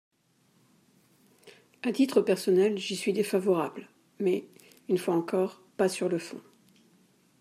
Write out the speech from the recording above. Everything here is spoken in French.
À titre personnel, j’y suis défavorable mais, une fois encore, pas sur le fond.